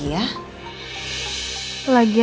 kejadian kemarin keulang lagi ya